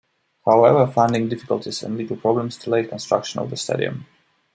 However, funding difficulties and legal problems delayed construction of the stadium.